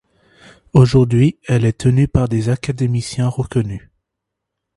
Aujourd'hui, elle est tenue par des académiciens reconnus.